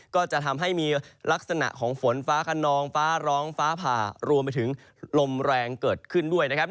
ก็จะทำให้มีลักษณะของฝนฟ้าขนองฟ้าร้องฟ้าผ่ารวมไปถึงลมแรงเกิดขึ้นด้วยนะครับ